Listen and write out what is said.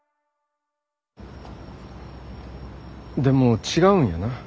でも違うんやな。